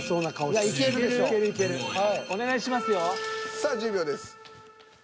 さあ１０秒です。